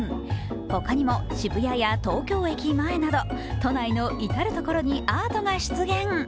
ほかにも渋谷や東京駅前など都内の至る所にアートが出現。